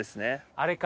あれか。